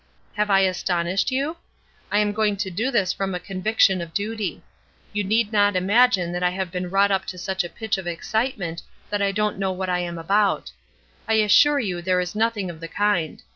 Have I astonished you! I am going to do this from a conviction of duty. You need not imagine that I have been wrought up to such a pitch of excitement that I don't know what I am about. I assure you there is nothing of the kind.